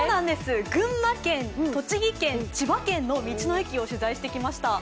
群馬県、栃木県、千葉県の道の駅を取材してきました。